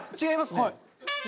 違いますね。